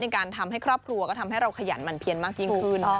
การทำให้ครอบครัวก็ทำให้เราขยันมันเพียนมากยิ่งขึ้น